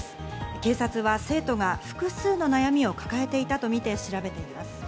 警察は生徒が複数の悩みを抱えていたとみて調べています。